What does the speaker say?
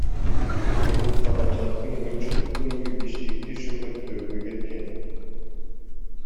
Бул каражаттын көпчүлүк бөлүгү Бишкекти шөкөттөөгө кеткен.